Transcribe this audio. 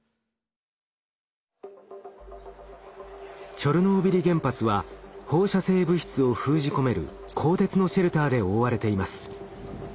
チョルノービリ原発は放射性物質を封じ込める鋼鉄のシェルターで覆われています。